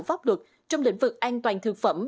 pháp luật trong lĩnh vực an toàn thực phẩm